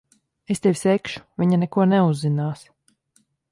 Es tevi segšu. Viņa neko neuzzinās.